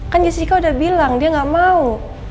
kan jessica udah bilang dia nggak mau